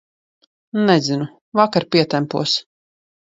Nezinu, vakar pietempos.